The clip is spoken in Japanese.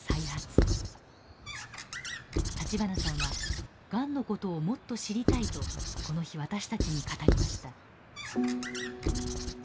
立花さんはがんのことをもっと知りたいとこの日私たちに語りました。